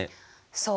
そう。